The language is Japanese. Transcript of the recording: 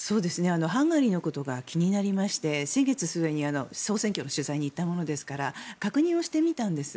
ハンガリーのことが気になりまして先月末に総選挙の取材に行ったものですから確認をしてみたんです。